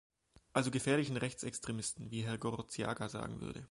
Also gefährlichen Rechtsextremisten, wie Herr Gorostiaga sagen würde.